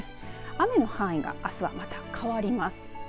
雨の範囲があすは、また変わります。